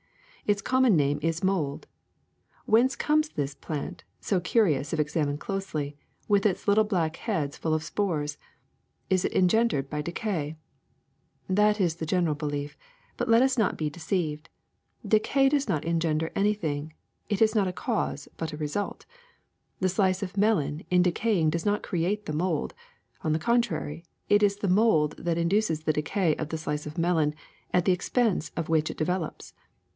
Its common name is mold. Whence comes this plant, so curious if examined closely, with its little black heads full of spores? Is it engendered by decay? *^That is the general belief; but let us not be de ceived. Decay does not engender anything ; it is not a cause but a result. The slice of melon in decaying does not create the mold; on the contrary, it is the mold that induces the decay of the slice of melon, at the expense of which it develops.